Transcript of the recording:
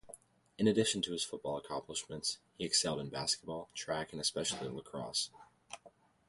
In addition to his football accomplishments, he excelled in basketball, track, and especially lacrosse.